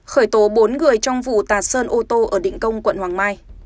khởi tố bốn người trong vụ tà sơn ô tô ở định công quận hoàng mai